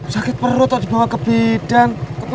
sakit perut atau dibawa ke bidan